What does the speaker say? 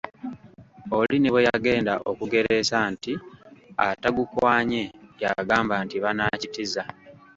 Oli ne bwe yagenda kugereesa nti atagukwanye y'agamba nti banaakitiza!